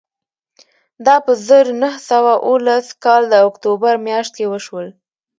دا په زر نه سوه اوولس کال د اکتوبر میاشت کې وشول